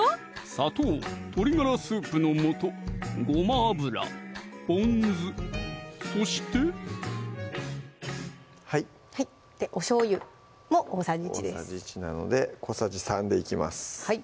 砂糖・鶏ガラスープの素・ごま油・ぽん酢そしてはいでおしょうゆも大さじ１です大さじ１なので小さじ３でいきますはい